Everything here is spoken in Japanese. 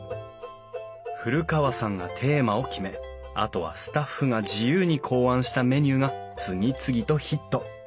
古川さんがテーマを決めあとはスタッフが自由に考案したメニューが次々とヒット。